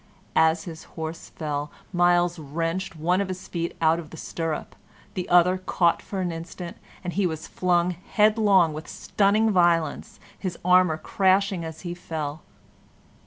As his horse fell, Myles wrenched one of his feet out of the stirrup; the other caught for an instant, and he was flung headlong with stunning violence, his armor crashing as he fell.